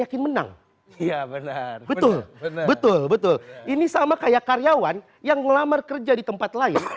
yakin menang iya benar betul betul ini sama kayak karyawan yang ngelamar kerja di tempat lain